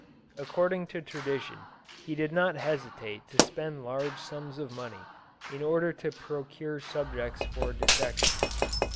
According to tradition he did not hesitate to spend large sums of money in order to procure subjects for dissection.